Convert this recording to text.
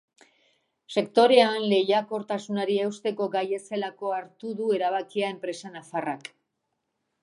Sektorean lehiakortasunari eusteko gai ez zelako hartu du erabakia enpresa nafarrak.